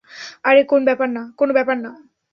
আরে কোন ব্যাপার না।